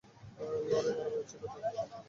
লড়াই-মারামারিই ছিল তার পেশা।